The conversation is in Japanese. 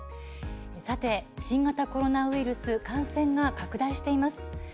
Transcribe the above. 新型コロナウイルス感染が拡大しています。